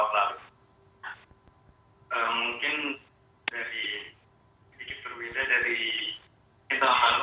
berbeda nggak mas dengan tahun lalu